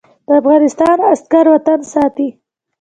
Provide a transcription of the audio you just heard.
د افغانستان عسکر وطن ساتي